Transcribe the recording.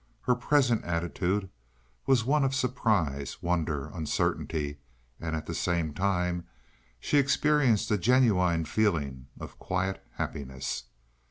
Her present attitude was one of surprise, wonder, uncertainty; and at the same time she experienced a genuine feeling of quiet happiness.